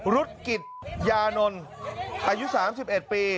รุษกิจยานนท์อายุ๓๑ปี